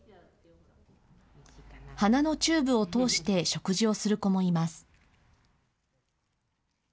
鼻のチューブを通して食事をする子もいます。